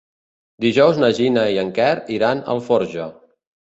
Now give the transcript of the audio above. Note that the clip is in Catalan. Dijous na Gina i en Quer iran a Alforja.